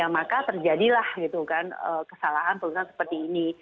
maka terjadilah kesalahan perbuatan seperti ini